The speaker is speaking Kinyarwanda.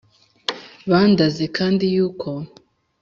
bandaze kandi yuko